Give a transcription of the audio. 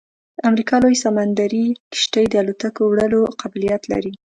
د امریکا لویه سمندري کشتۍ د الوتکو وړلو قابلیت لري